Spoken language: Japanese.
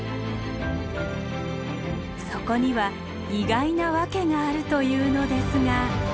そこには意外なワケがあるというのですが。